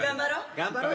頑張ろう。